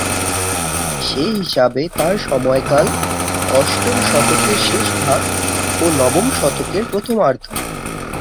সে হিসাবে তাঁর সময়কাল অষ্টম শতকের শেষ ভাগ ও নবম শতকের প্রথমার্ধ।